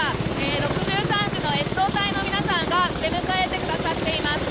６３次の越冬隊の皆さんが出迎えてくれています。